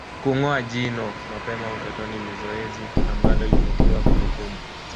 Kungoa jino mapema utotoni ni zoezi ambalo limetiwa kumbukumbu